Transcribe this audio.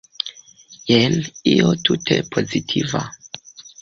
Jen io tute pozitiva.